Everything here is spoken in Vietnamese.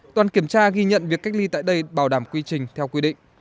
đoàn kiểm tra ghi nhận việc cách ly tại đây bảo đảm quy trình theo quy định